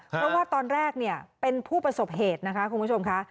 เพราะว่าตอนแรกเนี่ยเป็นผู้ประสบเหตุนะคะคุณผู้ชมค่ะ